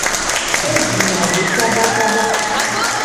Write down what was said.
E jina vi kabakaba.